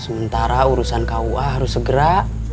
sementara urusan kua harus segera